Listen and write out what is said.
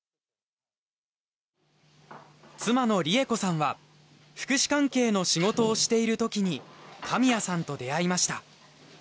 妻の梨絵子さんは福祉関係の仕事をしている時に神谷さんと出会いました。